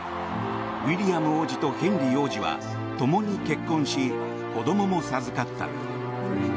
ウィリアム王子とヘンリー王子は共に結婚し、子供も授かった。